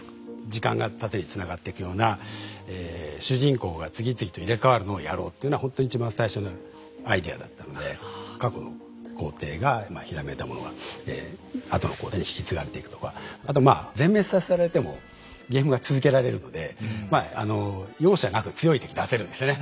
時間が縦につながっていくような主人公が次々と入れ代わるのをやろうっていうのはほんとに一番最初のアイデアだったので過去の皇帝が閃いたものが後の皇帝に引き継がれていくとかあとまあ全滅させられてもゲームが続けられるのでまああの容赦なく強い敵出せるんですね。